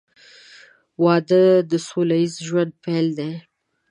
• واده د سوله ییز ژوند پیل دی.